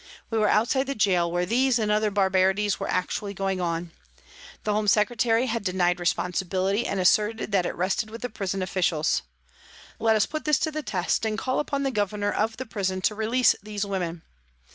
We were outside the gaol where these and other barbarities were actually going on. The Home Secretary had denied responsibility and asserted that it rested with the JANE WARTON 245 prison officials. Let us put this to the test and call upon the Governor of the prison to release these women.